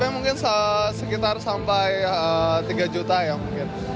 mungkin sekitar sampai tiga juta ya mungkin